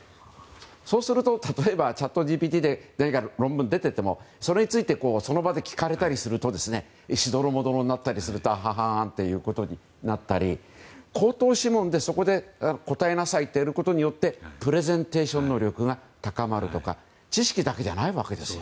そうすると例えばチャットＧＰＴで論文が出ていてもそれについてその場で聞かれたりするとしどろもどろになったり口頭試問で、そこで答えなさいとやることによってプレゼンテーション能力が高まるですとか知識だけではないわけですよ。